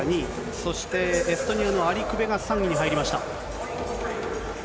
そしてエストニアのアリクベが３位に入りました。